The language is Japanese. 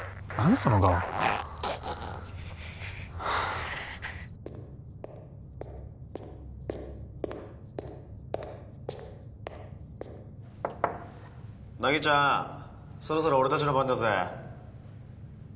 コンコン凪ちゃんそろそろ俺たちの番だぜ。